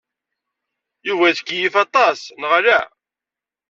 Yuba yettkeyyif aṭaṣ, neɣ ala?